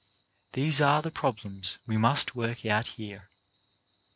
These are the problems we must work out here.